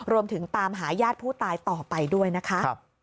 รวมถึงตามหาญาติผู้ตายต่อไปด้วยนะคะ